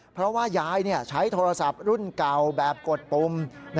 เพราะว่ายายใช้โทรศัพท์รุ่นเก่าแบบกดปุ่ม